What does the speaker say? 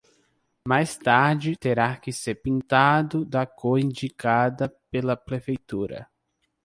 Mais tarde terá que ser pintado da cor indicada pela Prefeitura.